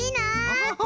アハハハ